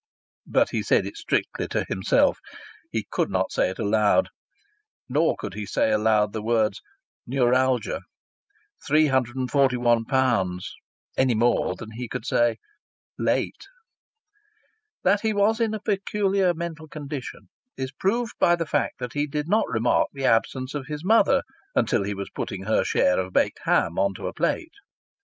But he said this strictly to himself. He could not say it aloud. Nor could he say aloud the words "neuralgia," "three hundred and forty one pounds," any more than he could say "late." That he was in a peculiar mental condition is proved by the fact that he did not remark the absence of his mother until he was putting her share of baked ham on to a plate.